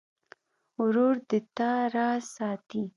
ورور د تا راز ساتي.